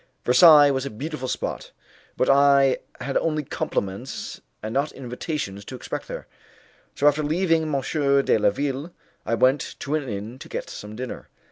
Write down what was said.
Versailles was a beautiful spot, but I had only compliments and not invitations to expect there, so after leaving M. de la Ville I went to an inn to get some dinner.